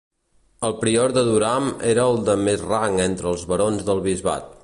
El prior de Durham era el de més rang entre els barons del bisbat.